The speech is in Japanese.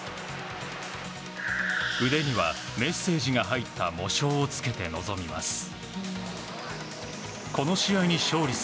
腕には、メッセージが入った喪章を着けて臨みます。